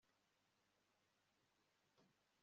Sinigeze ngira iki kibazo mbere